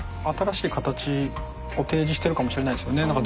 新しい形を提示してるかもしれないですよね。